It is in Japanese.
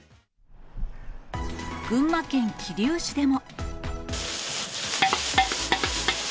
群馬県桐生市でも。